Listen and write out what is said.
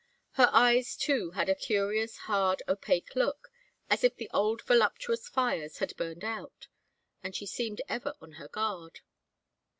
Her eyes, too, had a curious hard opaque look, as if the old voluptuous fires had burned out; and she seemed ever on her guard.